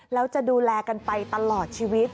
แล้วจะดูแลกันไปตลอดชีวิต